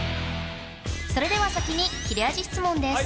それでは先に切れ味質問です